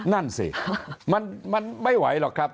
นั่นสิมันไม่ไหวหรอกครับ